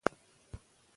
د غره په څیر لوړ اوسئ.